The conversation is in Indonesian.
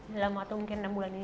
dalam waktu mungkin enam bulan ini